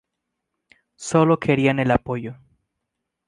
Solo querían el apoyo.